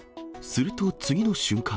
すると次の瞬間。